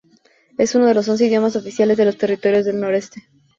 Es uno de los once idiomas oficiales de los Territorios del Noroeste.